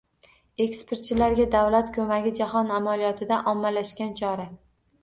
Eksportchilarga davlat ko‘magi — jahon amaliyotida ommalashgan chora.